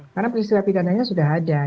karena peristiwa pidananya sudah ada